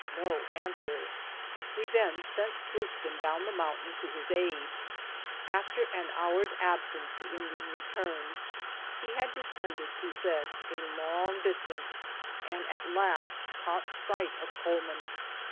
No answer ! We then sent Sluiskin down the mountain to his aid. After an hour's absence the Indian returned. He had descended, he said, a long distance, and at last caught sight of Coleman.